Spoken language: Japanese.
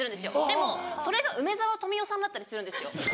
でもそれが梅沢富美男さんだったりするんですよ。